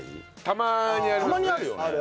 たまにあるよね。